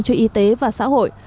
cho y tế và xã hội